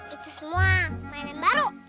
itu semua mainan baru